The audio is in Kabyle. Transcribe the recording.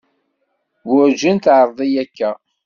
Werǧin teεreq-iyi akka.